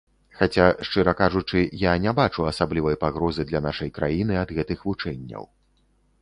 Хаця, шчыра кажучы, я не бачу асаблівай пагрозы для нашай краіны ад гэтых вучэнняў.